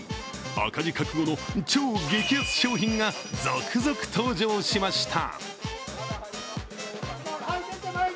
赤字覚悟の超激安商品が続々登場しました。